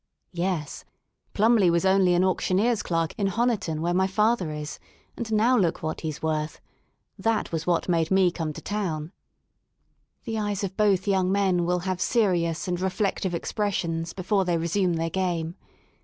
Yes* Plumly was only an auctioneers* clerk in Honiton, where my father is. And now look what he 's worth I That was what made me come to town." The eyes of both young men will have serious and reflec tive expressions before they resume their game.